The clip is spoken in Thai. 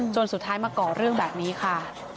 สุดท้ายมาก่อเรื่องแบบนี้ค่ะ